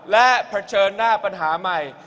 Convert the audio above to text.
และเผชิญหน้าปัญหาใหม่